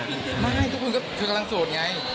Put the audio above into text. ไม่ทุกคนก็คือกำลังโสดไง